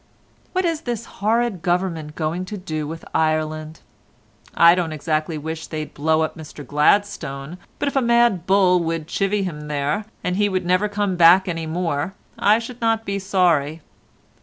"What is this horrid Government going to do with Ireland? I don't exactly wish they'd blow up Mr Gladstone, but if a mad bull would chivy him there, and he would never come back any more, I should not be sorry.